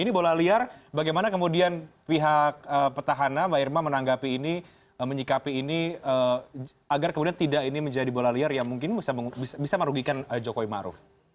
ini bola liar bagaimana kemudian pihak petahana mbak irma menanggapi ini menyikapi ini agar kemudian tidak ini menjadi bola liar yang mungkin bisa merugikan jokowi ⁇ maruf ⁇